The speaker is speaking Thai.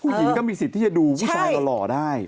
ผู้หญิงก็มีสิทธิ์ที่จะดูผู้ชายหล่อได้